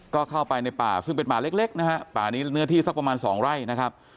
ก็เข้าไปในป่าซึ่งเป็นป่าเล็กนะฮะป่านี้เนื้อที่สักประมาณสองไร่นะครับ